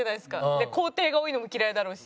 で工程が多いのも嫌いだろうし。